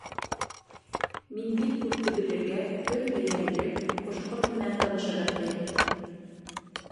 Мин бик күпте белергә, төрлө йәнлек, ҡош-ҡорт менән танышырға теләйем.